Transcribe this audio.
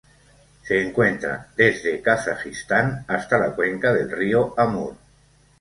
Se encuentra desde Kazajistán hasta la cuenca del río Amur.